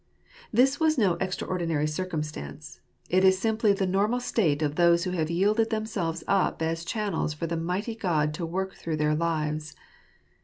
This was no extraordinary circumstance; it is simply the normal state of those who have yielded themselves up as * channels for the mighty God to work through their lives.